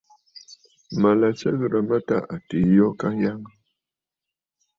Mǝ̀ lɛ Sɨ ghirǝ mǝ tâ atiî yo tâ à Kanyaŋǝ.